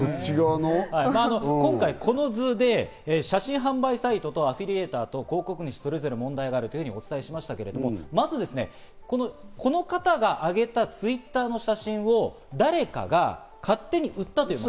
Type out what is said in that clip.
今回この図で写真販売サイトとアフィリエイターと広告主、それぞれの問題があるとお伝えしましたけど、まずこの方があげたＴｗｉｔｔｅｒの写真を誰かが勝手に売ったんです。